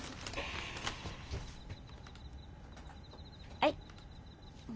はい。